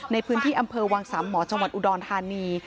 ในพื้นที่อำเภอวังสามหมอจังหวัดอุดรธานี